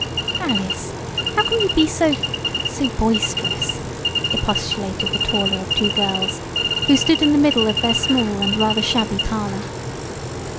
"Alice! How can you be so so boisterous?" expostulated the taller of two girls, who stood in the middle of their small and rather shabby parlor.